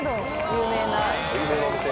有名なお店？